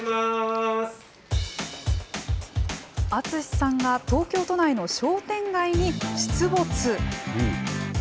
淳さんが東京都内の商店街に出没。